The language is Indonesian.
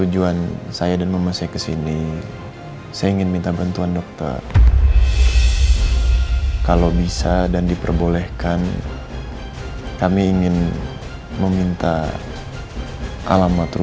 dan saya kasihan dengan ibu jessica itu